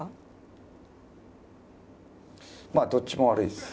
まあどっちも悪いです。